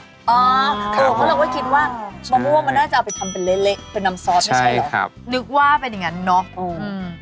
เพราะเราก็คิดว่ามะม่วงมันน่าจะเอาไปทำเป็นเละเป็นน้ำซอสไม่ใช่เหรอครับนึกว่าเป็นอย่างนั้นเนาะ